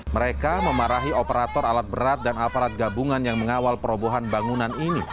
mereka memarahi operator alat berat dan aparat gabungan yang mengawal perobohan bangunan ini